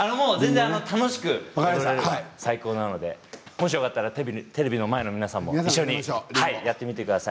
楽しく、最高なのでもしよかったらテレビの前の皆さんも一緒にやってみてください。